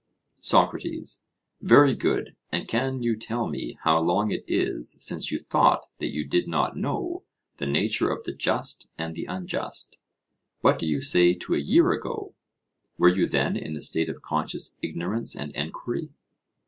SOCRATES: Very good; and can you tell me how long it is since you thought that you did not know the nature of the just and the unjust? What do you say to a year ago? Were you then in a state of conscious ignorance and enquiry?